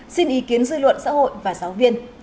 xin ý kiến dư luận xã hội và giáo viên